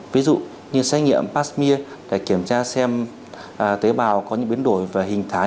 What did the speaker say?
ví dụ như xét nghiệm pasmir để kiểm tra xem tế bào có những biến đổi và hình thái